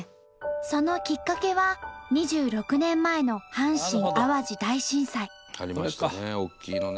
そのきっかけは２６年前の阪神・淡路大震災。ありましたね。